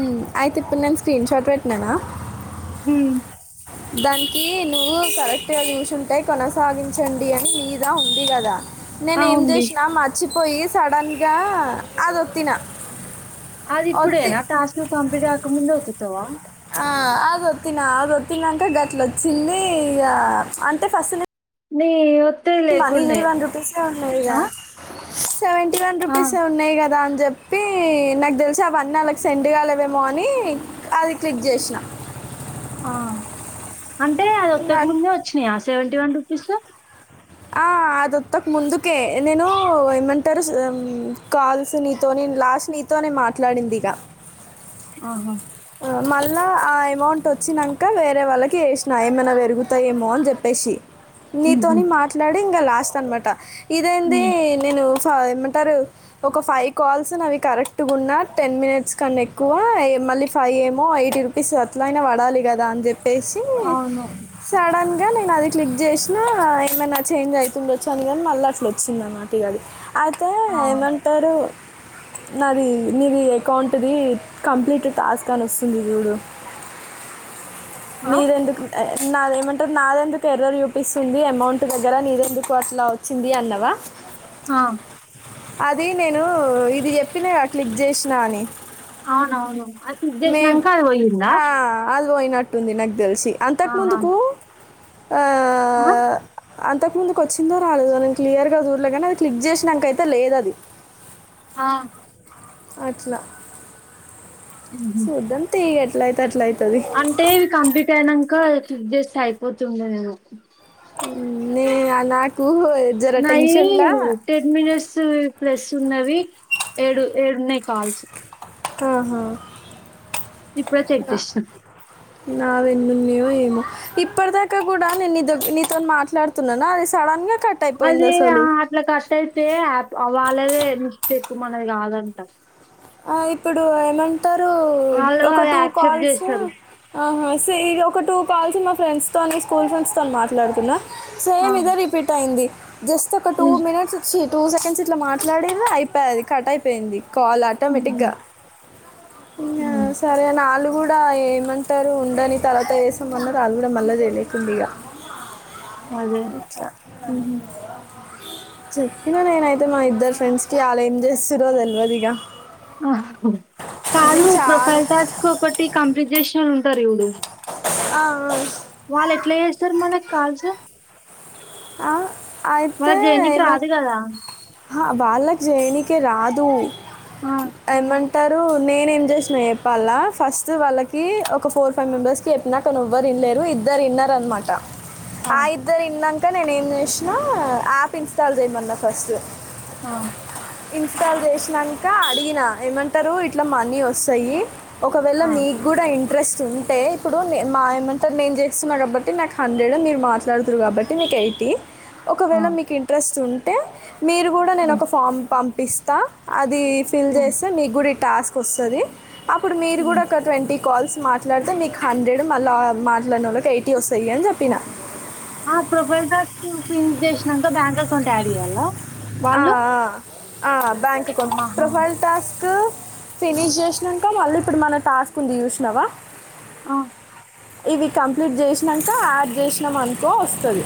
ఉమ్ అయితే ఇప్పుడు నేను స్క్రీన్ షాట్ పెట్టినానా ఉ దానికి నువ్వు కరెక్ట్ గా చూసుంటే కొనసాగించండి అని మీద ఉంది కదా ఆ నేను ఏం ఉంది జేసినా మర్చిపోయి సడన్ గా అదిొత్తిన అది ఇప్పుడేనా టాస్క్ కంప్లీట్ గాకముందే ఒత్తుతావా ఆ అదొత్తిన అదిొత్తినంక గట్ల వచ్చింది ఇగా అంటే ఫస్ట్ నె నీ ఒత్ మనీ గడ వన్ రుపీస్ఏ ఉన్నాదిగా సెవెంటీ వన్ ఆ రూపీస్ ఏ ఉన్నాయి కదా అం జెప్పి నాకు దెలిసి అవన్నీ వాళ్ళకి సెండ్ కాలేదేమో అని అది క్లిక్ జెసిన ఆ అంటే అది ఒత్తకు ఇంకా ముందే వచ్చినాయా సెవెంటీ వన్ రుపీసు ఆ అది వొత్తక ముందుకే నేను ఏమంటారు కాల్స్ నీతోనె నేన్ లాస్ట్ నీతోనే మాట్లాడింది ఇగ ఆహా మళ్ళా ఆ అమౌంట్ వచ్చినంక వేరే వాళ్ళకి వేసినా ఏమైనా పెరుగుతాయేమో అని జొప్పేసి ఉహు నీతోని మాట్లాడి ఇంగ లాస్ట్ అనమాట ఇదేంది ఉమ్ నేను ఫ ఏమంటారు ఒక ఫైవ్ కాల్స్ నావి కరెక్ట్ గున్న టెన్ మినిట్స్ కాన్నా ఎక్కువ మళ్ళీ ఫైవ్ ఏమో ఎయిటీ రూపీస్ అట్లయినా పడాలి గదా అని జెప్ ప్పేసి అవును సడన్ గా నేను అది క్లిక్ జేసినా ఏమైనా చేంజ్ అవుతుండొచ్చు అని కానీ మళ్ళీ అట్లా వచ్చింది అన్నట్టు ఇగ అది అయితే ఆ ఏమంటారు నాది మీది అకౌంట్ ది కంప్లీట్ టాస్క్ అని వస్తుంది చూడు ఆ మీరెందుకు నాదేమంటారు నాది ఎందుకు ఎర్రర్ చూపిస్తుంది అమౌంట్ దగ్గర నీది ఎందుకు అట్లా వచ్చింది అన్నవా ఆ అది నేను ఇది చెప్పినా క్లిక్ చేసినా అని అవునవును అది క్లిక్ మ చేసినంక అది పోయిందా అల్యినాట్ టుంది నాకు తెలిసి అంతకు ఆహా ముందుకు ఆ ఆ అంతకు ముందుకు వచ్చిందో రాలేదో నేను క్లియర్ గా చూడలేగాని అది క్లిక్ చేసినాంకైతే లేదు అది ఆ అట్లా ఉహు శూద్ద్దం తీ ఎట్ల అయితే అట్ల అయితే అంటే ఇవి కంప్లీట్ అయినాక క్లిక్ చేస్తే చేస్తే అయిపోతుండేకు నిను ని నాకు జర న టెన్షన్లా టెడ్ మనిట్స్ ప్లస్ ఉన్నవి ఏడు ఏడున్నాయి కాల్సు ఆహా ఇప్పుడే తెక్ నా- చేష్టం నా వెన్నున్నాో ఏమో ఇప్పటిదాకా కూడా నేనుీ నీతో మాట్లాడుతున్నానా అది సడన్గా కట్ అయిపోయింది అదే అసలు అట్లా కట్ అయితే వాళ్ళదే మస్ కుకు మనగా అంట ఇప్పుడు ఏమంటారు వాళ్ళు ఒక అది టూ యాక్సెప్ట్ కాల్స్ చేస్తారు స ఇది ఒక టూ కాల్సి మా ఫ్రెండ్స్తోని స్కూల్ ఫ్రెండ్స్తో మాట్లాడుతున్నాను స ఆ ఇద రిపీట్ అయింది జస్ట్ ఒక టూ ఉమ్ మినిట్స్ చ టూ సెకండ్స్ ఇట్లా మాట్లాడేలా అయిపోయాది కట్ అయిపోయింది కాల్ ే ఉమ్ ఉమ్ కూడా ఏమంటారు ఉండని తర్వాత వసామన్నారు అది కూడా మళ్ళీ తెలియతుంది ఇక అదే ఇ చెప్పినా నేనైతే మా ఇద్దరు ఫ్రెండ్స్ కి అలా ఏం చేస్తురోో తెలివదు ఇక కాదు నేను చాలా ప్రొఫైల్ టాస్క్ ఒకటి కంప్ేష ంట అడు ఆ వాళ్ళు ఎట్లా చే సార్ మనకి కాల్సార్ ఆ ఆయితే చేయనికి ఇమ రాదు కదా బాల దేనికి రాదు ఆ ఏమన్ అంటారు నేన ఏం చేసిన చెప్పాల ఫస్ట్ వాళ్ళకి ఒక ఫోర్ ఫైవ్ మెంబర్స్ కి చెప్పినా కావ్వరు లేరు ఇద్దరు ఇన్నర్ అనమాట ఆ ఇద్దరు ఇన్నాక నేనే ఏం చేసినా యాప్ ఇన్స్టాల్ చేయమన్నా ఫస్ట్ ఆ ఇన్స్టాల్ చేసినాక అడిగినా ఏమంటారు ఇట్లా మనీ వస్తాయి ఒకవేళ ఆ మీకు కూడా ఇంట్రెస్ట్ ఉంది అంటే ఇప్పుడు నే మా ఏమంటారు నేను చేస్తున్నా కాబట్టి నాకు హండ్రెడ్ మీరు మాట్లాడుతుారు కాబట్టి నకు ఎయిటీ ఆ ఒకవేళ మీకు ఇంట్రెస్ట్ ఉంటే మీరు కూడా నేను ఉమ్ ఒక ఫామ్ పంపిస్తా అది ఇది ఫిల్ ఉమ్ చేస్తే మీకు కూడా టాస్క్ వస్తుంది అప్పుడు మీరు ఉమ్ కూడా ఒక ట్వంటీ కాల్స్ మాట్లాడితే మీకు హండ్రెడ్ మళ్ళా మాట్లాడిన వాళ్ళకి ఎయిటీ వస్తాయి అని చెప్పినా ఆ ప్రొఫైల్ టస్ ఫ చేసినంత బ్యాంలస్ంటే యాడ్ చేయ్యాల ఆ బ్యాంక్ అకౌంట్ ఆహా ప్రొఫైల్ టాస్క్ ఫినిష్ చేసినాక మళ్ళీ ఇప్పుడు మన టాస్క్ ఉంది చూసినావా ఆ ఇవి కంప్లీట్ చేసినాక యాడ్ చేసినాం అనుకో వస్తుంది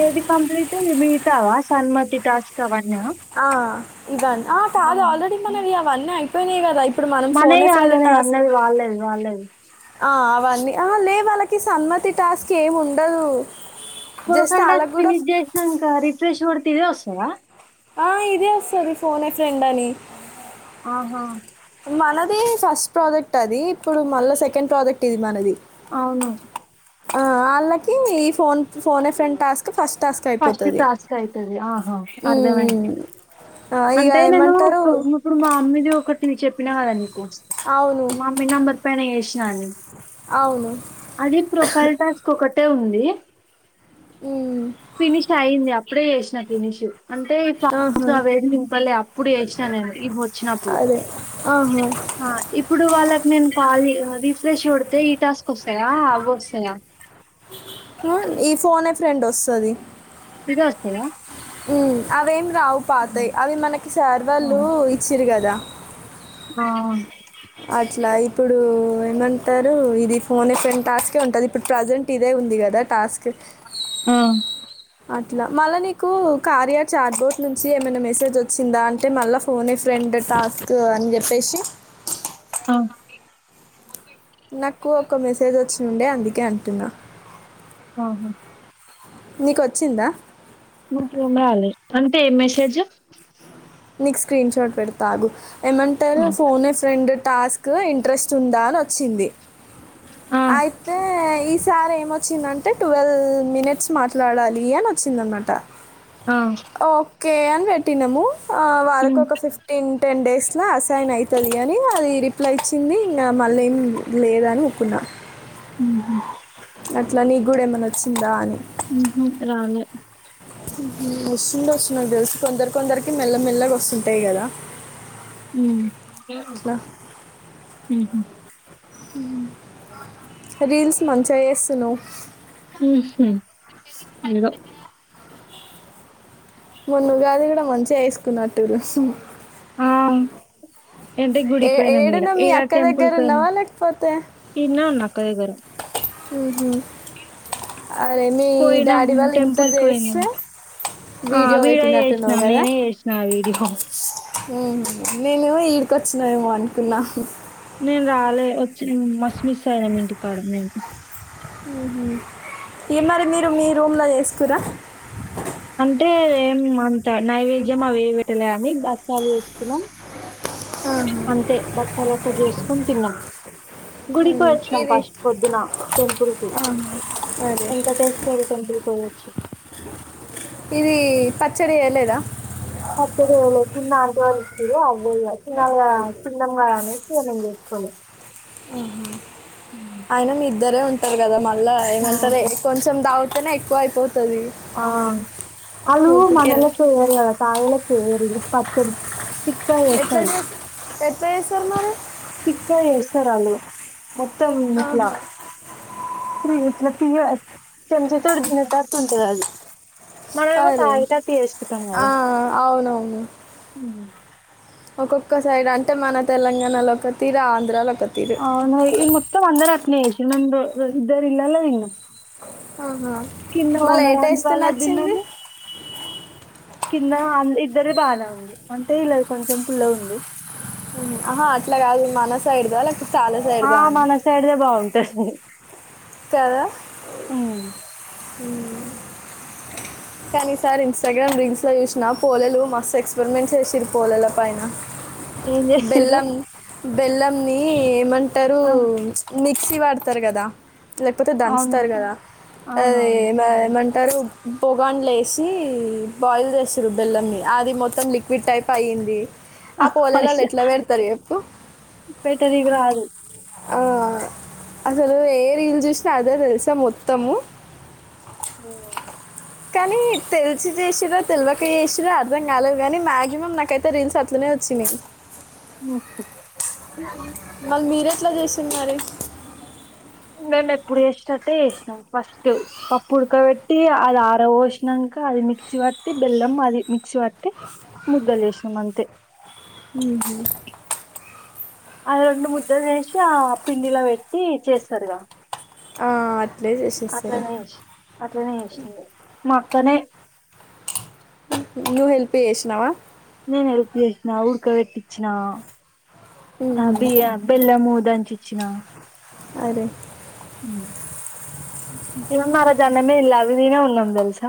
ఏది కంప్లీట్ వి మీీట్ావా సన్మతి టాస్క్ అవ ఆ ఇవ ఆ కాదు ఆల్రెడీ మనవి అవన్నీ అయిపోయినీయె కదా ఇప్పుడు మనం ఫోన్ మనయి ఎ ఫ్రెండ్ కాదులే టాస్క్ అందరివి వాళ్ళది వాళ్ళది ఆ అవన్నీ ఆ లేవు వాళ్ళకి సన్మతి టాస్క్ ఏమి ఉండదు జస్ట్ ప్రొఫైల్ టాస్క్ వాళ్ళకి కూడా ఫినిష్ జేస్ నంక రిఫ్రెష్ కొడితే ఇదే వస్తాద ఆ ఇదే వస్తది ఫోన్ ఎ ఫ్రెండ్ అని ఆహా మనది ఫస్ట్ ప్రోజెక్ట్ అది ఇప్పుడు మళ్ళా సెకండ్ ప్రోజెక్ట్ ఇది మనది అవును ఆ ఆళ్ళకి ఈ phone phone a friend task first task first అయిపోతుంది టాస్క్ అయితది ఆహా అర్ధమైంది ఉమ్. ఆ, ఇక అంటే నేను ఏమంటారు ఇప్పుడు ఇప్పుడు మా అమ్మీది ఒకటి చెప్పిన కదనె అవును మామ్మి నెంబర్ పైన ఏష్నాని అవును అది ప్రోఫైల్ టాస్క్ ఒక టె ఉంది ఉమ్. ఫినిష్ అయింది అప్పుడే చేసిన ఫినిష్ అంటే ఫామ్స్ ఆహా లో అవేవి ఇంపల్లే అప్పుడు జేసినా నేను ఇప్పుడు వచ్చినప్పుడు అదే ఆహా ఆ ఇప్పుడు వాళ్ళకి నేన్ కాల్ రిఫ్రెష్ గొడితే ఈ టాస్కు వస్తాయ అవి వస్తాయా ఆ ఈ ఫోనే ఎ ఫ్రెండ్ వస్తాది సిధ వస్తాద హ్మ్ అవేం రావు పాతాయ్ అవి మనకి సర్ ఆ వాళ్ళు ఇచ్చిరు కదా ఆ.. అట్లా ఇప్పుడు ఏమంటారు ఇది ఫోన్ ఎ ఫ్రెండ్ టాస్కే ఉంటది ఇప్పుడు ప్రజెంట్ ఇదే ఉంది కదా టాస్క్ ఆ అట్లా మళ్ళా నీకు కార్య చార్ట్ బోట్ నుంచి ఏమైనా మెసేజ్ వచ్చిందా అంటే మళ్ళా ఫోన్ ఎ ఫ్రెండ్ టాస్క్ అని జేప్పేసి అ.. నాకు ఒక మెసేజ్ వచ్చి ఉండే అందుకే అంటున్నా ఆహా నీకొచ్చిందా నాకెం రాలే అంటే ఏం మెసేజ్ నీకు స్క్రీన్ షాట్ పెడత ఆగు ఏమంటారు ఆ phone a friend task interest ఉందా అని వచ్చింది ఆ అయితే ఈ ఇసార్ ఏమొచ్చిందంటే ట్వెల్వ్ మినిట్స్ మాట్లాడాలి అని వచ్చిందనమాట ఆ ఎ అని పెట్టినాము వాళ్ళకి ఒక ఫిఫ్టీన్ టెన్ డే స్ల అసైన్ అయితది అని అది రిప్లై ఇచ్చింది ఇంగ మళ్ళీ ఏం లేదని ఎప్తున్నా హ్మ్ హు అట్లా నీ గూడా ఏమన్నా వచ్చిందా అని హ్మ్ హు రాలే వస్తుంది వస్ నాకు దెల్సు కొందరి కొందరికి మెల్ల మెల్లగా వస్తుంటాయ్ కదా హ్మ్ అట్లా హ్మ్ హు హ్మ్ రీల్స్ మంచిగా ఎస్తున్నావ్ ఎదో మున్న ఉగాది గూడా మంచిగా ఎస్కున్నట్టురు ఆ... అంటే ఏ గుడికి పోయినా ఇడ ఏడున మీ ఈడా అక్క టెంపుల్ దగ్గర తనా ఉన్నావా లేకపోతే ఇడ్నె ఉన్నా అక్క దగ్గర ఉహు అరే మీ పోయినాం డాడీ వాళ్ళు ఇంట్లో టెంపుల్ కి పోయినాం చేస్తే ఆ వీడియో చేసిన పెట్టినట్టున్నావు కదా నేనే చేసిన [inaudible] హు నేను ఈడికొచ్చినేమో అనుకున్నా నేను రాలే వచ్చి మస్ మిస్ అయినం ఇంటికాడ మేము ఉహు ఇగ మరి మీరు మీ రూమ్ ల చేసుకురా అంటే ఏం అంత నైవేద్యం అవి ఏవి పెట్టలే అని బచ్చాలు చేసుకున్నాం అంతే బచ్చలు ఒకటి చేసుకొని తిన్నాం గుడికి ఉమ్, పోయి వచ్చినాం ఇది ఫస్ట్ పొద్దున టెంపుల్ కు ఆ, అదే ఇంకా తెస్ కోడుకంటుకు పోవచ్చు ఇది పచ్చడి చేయ లేదా పచ్చడి చేయలేదు కింద ఆంటీ వాళ్లు ఇచ్చరు ఆ అది చిన్నఅవ్వ చిన్నఅమ్మ అనేసి ఈగ మేము పిలుస్తాంము ఆహ అయిన మీ ఇద్దరే ఉంటారు కదా మళ్ళా ఆ ఏమంటారు కొంచెం తాగు వత్తానే ఎక్కువ ఐపోతు ఆ అయినా మన ఊరికే లెక్క చేయరుగా తాగు తప్పు ఊరు ఇది పచ్చడి పిక్తా ఎట్లా ఇస్తారు చేస్ ఎట్లా చేస్తారు మరి తిక్క చేస్తరు వాళ్ళు మొత్తం ఇట్లా ఆహా. త్రి ఇట్లా తీయ తె [inaudible] తో ఉడికిినటట్టు ఉంటుంది అది మనమేమో అరే తాగేటట్టు చేసుకుంటాం ఆ, కదా అవునవును హు ఒక్కొక్క సైడ్ అంటే మన తెలంగాణలో ఒక తీరా ఆంధ్రాలో ఒక తీరు అవునా ఈ మొత్తం అందరూ అట్లేనే చేసిరు నేను రే రో ఇద్దరి ఇండ్ల తిన్న ఆహా. కింద మళ్ళీ ఏ ఓనర్ ఆంటీ టేస్ట్ వాళ్లది నచ్చింది తిన్నాము కింద ఆం ఇద్దరిది బాగానే ఉంది అంటే వీళ్లది కొంచెం పుల్లగా ఉంది ఆహా అట్లా కాదు మన సైడ్ దా లే ఆ మన సైడ్ దే బాగుంటది కదా హు కానీ ఈసారి ఇంస్టాగ్రామ్ రీల్స్ లో చూసిన పోలెలు మస్తు ఎక్స్పెరిమెంట్ చేసారు పోలేలపైన ఏం చేసిరు బెల్లంని ఏమంటారు మిక్సీ పడతారు కదా లేకపోతే అవును దుతారు కదా అది అవునవును ఏ మా అంటారు పొగాండ్లు వేసి బాయిల్ చేస్తారు బెల్లన్ని అది మొత్తం లిక్విడ్ టైప్ అయ్యింది ఆ పోలేలలో ఎట్లా పెడతారు చేప్పు పెట్టనీకి రాదు ఆ అసలు ఏ రీల్ చూసినా అదే తెలుసా మొత్తము ఉహు కానీ తెలిసి చేసిరో తెలువక చేసిరో అర్థం కాలేదు కానీ మాయాక్సిిమం నాకైతే రీల్స్ అట్లనే వచ్చినయ్ మూసుకో మళ్ళి మీర ఎట్లా చేసిరు మరి మేము ఎప్పుడు చేసినట్టే చేసినాం ఫస్ట్ పప్పు ఉడకబట్టి అది ఆరా పోసినంక అది మిక్సీ బట్టి బల్లం అది మి మిక్సీ పట్టి ముద్దులు చేసినం అంతే అది రెండు ముద్దలు చేసి ఆ పిండిలో పెట్టి చేస్తారుగా ఆ అట్లే చేసేస్తారు అట్లనే చేసినం అట్లనే చేసినం ఇగ మా అక్కనే నువ్వు హెల్ప్ చేసినావా నేను హెల్ప్ చేసినా ఉడక పెట్టిచ్చిన ఆ మ్మ్. బియ బెల్లమూ ఇచ్చిన అరే ఉహు ఏం మారోజు అన్నమే తిండ్ల అది తినే ఉన్నాం తెలుసా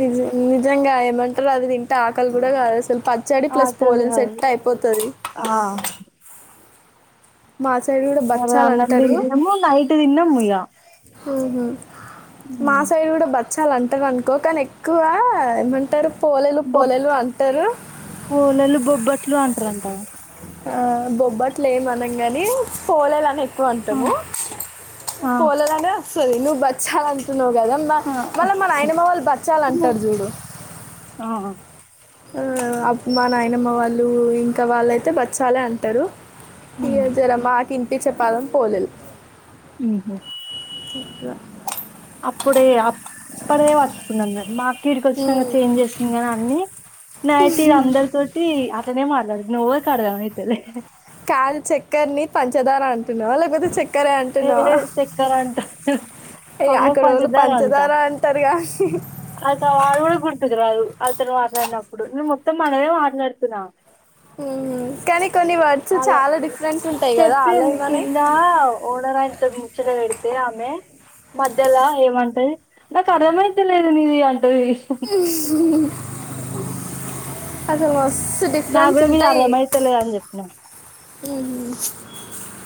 నిజ నిజంగా ఏమంటారు అది తింటే ఆకలి గుడా కాదసలు పచ్చడి ప్లస్ ఆకలి పోలేెలు కాదు సెట్ అయిపోతుంది ఆ మా సైడ్ కూడా అరె బచ్చాలు అన్నం అంటారు తిన్నాము నైట్ తినం ఇగ హుహు మా ఇగ సైడు గుడా బ చాలా అంటారు అనుకో కాని ఎక్కువ ఏమంటారు పోలేలు పోలేలు అంటారు ఇట్లు అంటారంట ఆ బొబ్బట్లే అనం గాని పోలేలు అను ఎక్కువ ఆ అంటాము ఆ పోలాలనే వస్తది నువ్వు బచ్చాలంట నువు కదంగా ఆ మళ్ళీ మన న్నాయనమ్మ వాళ్ళు బచ్చాలాంటరు చూడు ఆ ఉమ్ అ మా నాయనమ్మ వాళ్ళు ఇంకా వాళ్ళయితే బచ్చాలే అంటారు ఈ జరమ్మా మా కినిపిచ్చే పదం పోలేలు ఉహు ఇకా అప్పుడేది అప్పుడదే బట్టుకున్నం మే మా ఈడికొచ్చిన చేంజ్ చేసింది గదా అన్ని నే అయితే ఈడ అందరితోటి అట్లనే మాట్లాడు నోవ్వరికి అర్థమయితలే కాలు చక్కర్ని పంచదార అంటున్నావా లేకపోతే చక్క క్కరే ఏ అంటున్నావా చక్కర అంట అయ అమ్మో అక్కడ వొళ్ళు పంచదార అంటారుగా అత వాడు కూడా గుర్తుకు రాదు అతను మాట్లాడినప్పుడు నువు మొత్తం మనమే మాట్లాడుతున్నాం ఉమ్ కానీ కొన్ని వర్డ్స్ అలా చాలా డిఫరెంట్ చెప్పింది కింద ఓనరా అంకుల్ ఇంత ముచ్చట పెడితే ఆమె మధ్యలో ఏమంటది నాకు అర్థమైతే లేదు నీది అంటది అసలు మస్తు నాకు డిఫరెన్స్ కూడా మీది ఉంటాయి అర్థమైతలేదు అని చెప్పిన ఉమ్ హు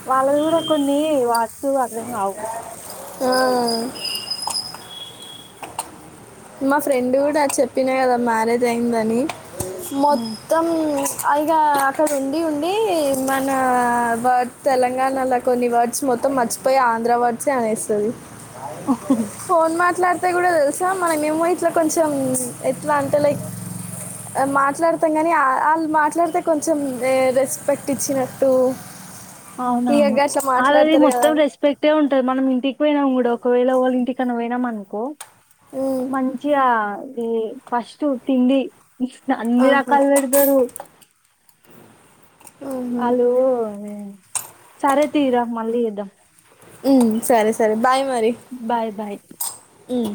వాళ్ళవి గుడా కొన్ని వర్డ్స్ అర్థం కావు ఆ మా ఫ్రెండ్ గుడా చెప్పినా కదా మ్యారేజ్ అయిందని ఇగ అక్కడ ఉండి ఉండి మన వర్డ్ తెలంగాణలో కొన్ని వర్డ్స్ మొత్తం మొత్తం మర్చిపోయి ఆంధ్ర వర్డ్స్ ఎ అనేస్తది మొన్నేమో ఇట్లా కొంచెం ఎట్లా అంటే లైక్ మాట్లాడతాం గానీ ఆ ఆళ్ళు మాట్లాడితే కొంచెం రె రెస్పెక్ట్ ఇచ్చినట్టు ఇక అవునవును అట్లా వాలాది మాట్లాడతారు కదా మొత్తం రెస్పెక్టే ఉంటది మనం ఇంటికి పోయి నా కూడా ఒకవేళ వాళ్ళ ఇంటికన్నా పోయినం అనుకో ఉమ్, మంచిగా అ ఫస్ట్ తిండి అన్ని ఆహా, రకాలు వెడతరు ఉమ్, అల్లు సరే తీరా మళ్ళీ చేదాం ఉమ్ సరే సరే బై బాయ్ బాయ్ ఉమ్.